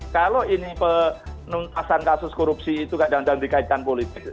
kalau ini penuntasan kasus korupsi itu kadang kadang dikaitkan politik